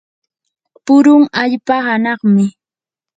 purun allpa anaqmi.